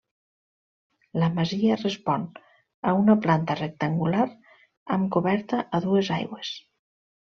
La masia respon a una planta rectangular amb coberta a dues aigües.